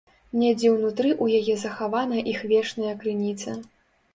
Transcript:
Недзе ўнутры ў яе захавана іх вечная крыніца.